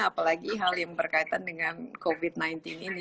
apalagi hal yang berkaitan dengan covid sembilan belas ini